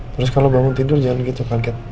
terus kalau bangun tidur jangan gitu kaget